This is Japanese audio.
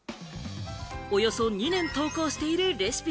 およそ２年投稿しているレシピ。